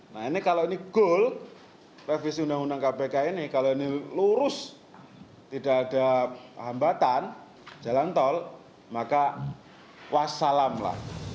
nah ini kalau ini goal revisi undang undang kpk ini kalau ini lurus tidak ada hambatan jalan tol maka wassalamlah